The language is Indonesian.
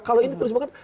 kalau ini terus bukan